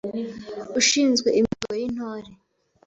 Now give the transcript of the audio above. Ushinzwe imihigo y’Intore;